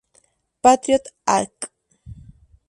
Patriot Act.